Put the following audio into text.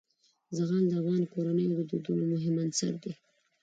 زغال د افغان کورنیو د دودونو مهم عنصر دی.